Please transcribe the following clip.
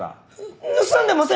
盗んでません！